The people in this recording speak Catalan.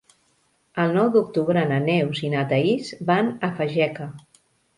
El nou d'octubre na Neus i na Thaís van a Fageca.